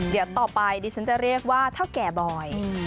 เดี๋ยวต่อไปดิฉันจะเรียกว่าเท่าแก่บอย